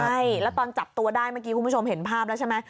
ใช่แล้วตอนจับตัวได้เมื่อกี้คุณผู้ชมเห็นภาพแล้วใช่ไหม